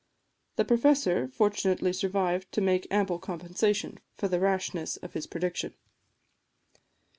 The professor fortunately survived to make ample compensation for the rashness of his prediction.